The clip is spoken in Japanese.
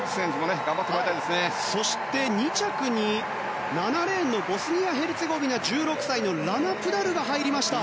そして２着に７レーンのボスニア・ヘルツェゴビナの１６歳ラナ・プダルが入りました。